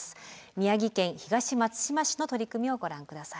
宮城県東松島市の取り組みをご覧下さい。